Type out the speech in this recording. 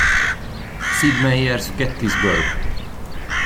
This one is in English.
Sid Meier's Gettysburg!